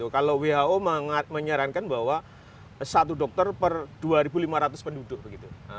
kalau who menyarankan bahwa satu dokter per dua lima ratus penduduk begitu